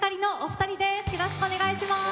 よろしくお願いします！